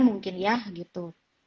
mungkin ya gitu